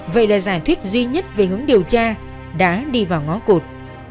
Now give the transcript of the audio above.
vậy là giải thuyết duy nhất về hướng điều tra đã đi vào ngó cột